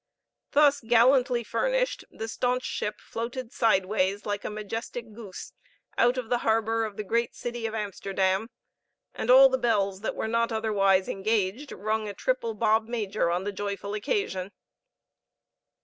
Thus gallantly furnished, the staunch ship floated sideways, like a majestic goose, out of the harbor of the great city of Amsterdam, and all the bells that were not otherwise engaged, rung a triple bobmajor on the joyful occasion.